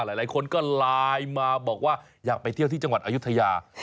หลายคนก็ไลน์มาบอกว่าอยากไปเที่ยวที่จังหวัดอายุทยา